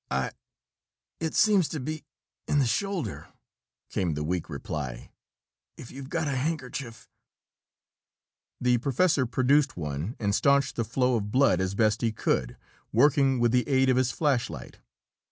"I it seems to be in the shoulder," came the weak reply. "If you've got a handkerchief " The professor produced one and staunched the flow of blood as best he could, working with the aid of his flashlight.